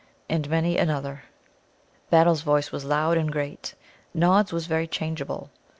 and many another. Battle's voice was loud and great; Nod's was very changeable.